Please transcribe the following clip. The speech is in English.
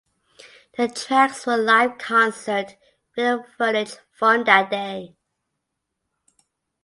The tracks were live concert video footage from that day.